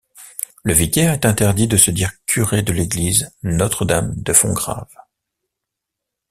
Le vicaire est interdit de se dire curé de l'église Notre-Dame de Fongrave.